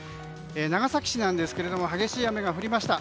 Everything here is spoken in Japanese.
長崎市なんですが激しい雨が降りました。